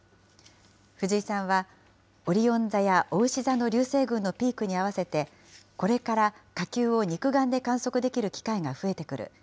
藤井さんは、オリオン座やおうし座の流星群のピークに合わせて、これから火球を肉眼で観測できる機会が増えてくる。